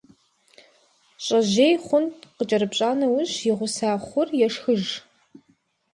ЩIэжьей хъун къыкIэрыпщIа нэужь, и гъуса хъур ешхыж.